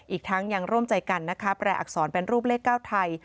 อีกทั้งยังร่วมใจกันนะคะแปลอักษรเป็นรูปเลข๙ไทย